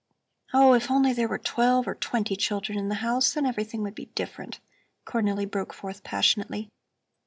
"Oh, if only there were twelve or twenty children in the house, then everything would be different," Cornelli broke forth passionately.